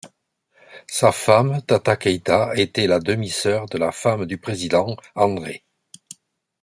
Sa femme, Tata Keïta, était la demi-sœur de la femme du président, Andrée.